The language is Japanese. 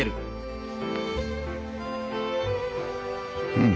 うん。